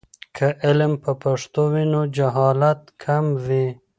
که علم په پښتو وي، نو جهالت کم وي.